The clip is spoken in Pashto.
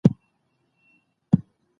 د خوراکي توکو د کیفیت ازموینه د خلکو حق دی.